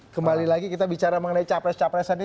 kembali lagi kita bicara mengenai capres capresan ini